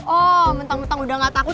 oh mentang mentang udah gak takut sama mel